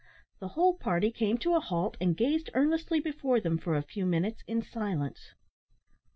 The whole party came to a halt, and gazed earnestly before them for a few minutes in silence.